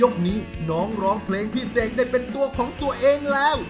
พี่เสกได้เป็นตัวของตัวเองแล้ว